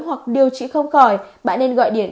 hoặc điều trị không khỏi bạn nên gọi điện